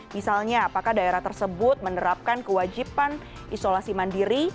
misalnya apakah daerah tersebut menerapkan kewajiban isolasi mandiri